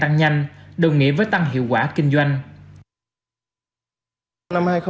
các ngân hàng tăng nhanh đồng nghĩa với tăng hiệu quả kinh doanh